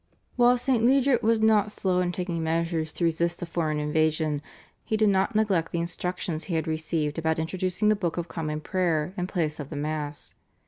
" While St. Leger was not slow in taking measures to resist a foreign invasion, he did not neglect the instructions he had received about introducing the Book of Common Prayer in place of the Mass.